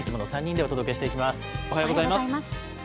おはようございます。